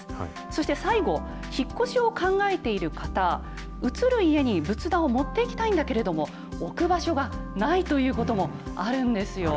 そして最後、引っ越しを考えている方、移る家に仏壇を持っていきたいんだけれども、置く場所がないということもあるんですよ。